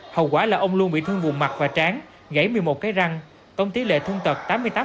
hậu quả là ông luân bị thương vùng mặt và tráng gãy một mươi một cái răng tổng tỷ lệ thương tật tám mươi tám